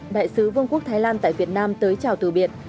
đại sứ vương quốc thái lan tại việt nam tới chào từ biệt